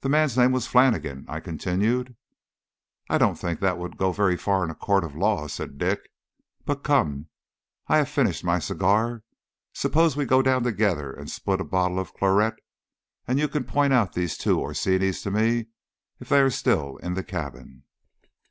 "The man's name was Flannigan," I continued. "I don't think that would go very far in a court of law," said Dick; "but come, I have finished my cigar. Suppose we go down together and split a bottle of claret. You can point out these two Orsinis to me if they are still in the cabin."